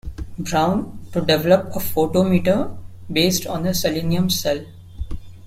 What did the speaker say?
Brown to develop a photometer based on a selenium cell.